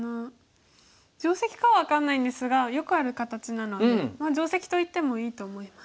定石かは分かんないんですがよくある形なので定石と言ってもいいと思います。